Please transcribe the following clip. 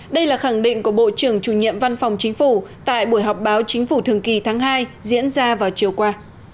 đây là khẳng định của bộ trưởng chủ nhiệm văn phòng chính phủ tại buổi họp báo chính phủ thường kỳ tháng hai diễn ra vào chiều qua